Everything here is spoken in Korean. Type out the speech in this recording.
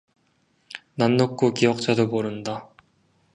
낫 놓고 기역자도 모른다